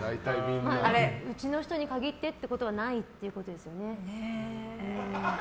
うちの人に限ってってことはないってことですよね。